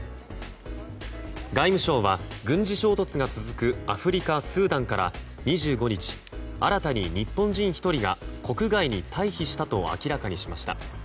外務省は、軍事衝突が続くアフリカ・スーダンから２５日、新たに日本人１人が国外に退避したと明らかにしました。